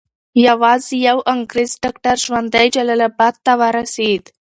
یوازې یو انګریز ډاکټر ژوندی جلال اباد ته ورسېد.